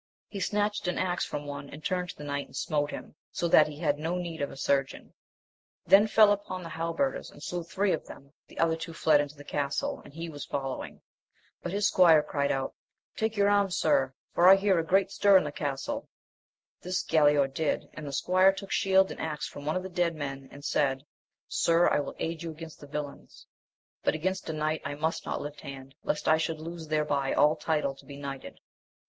He snatched an axe from one and turned to the knight and smote him, so that he had no need of a surgeon ; then fell upon the hal berders, and slew three of them, the other two fled into the castle, and he was following ; but his squire cried out. Take your arms, sir ! for I hear a great stir in the castle. This Galaor did, and the squire took shield and axe from one of the dead men, and said, Sir, i will aid you against the villains ; but against a knight I must not lift hand, lest I should lose thereby all title to be knighted.